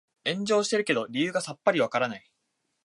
炎上してるけど理由がさっぱりわからない